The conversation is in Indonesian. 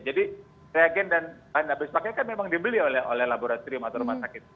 jadi reagen dan bahan nabis pakai kan memang dibeli oleh laboratorium atau rumah sakit